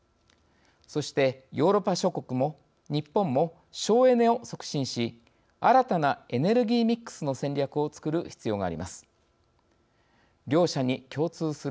そして、ヨーロッパ諸国も日本も省エネを促進し新たなエネルギーミックスの戦略を作る必要があります。